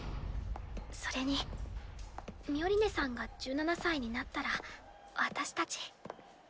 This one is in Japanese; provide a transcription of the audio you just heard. それにミオリネさんが１７歳になったら私たち。